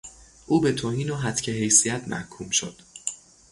او به توهین و هتک حیثیت محکوم شد